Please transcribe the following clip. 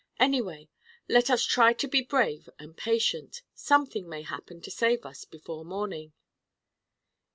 Anyway, let us try to be brave and patient. Something may happen to save us, before morning."